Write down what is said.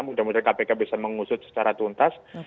mudah mudahan kpk bisa mengusut secara tuntas